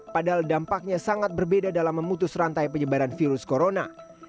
padahal dampaknya sangat berbeda dalam memutus rantai penyebaran virus corona